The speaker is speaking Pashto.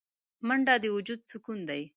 منډه د وجود سکون دی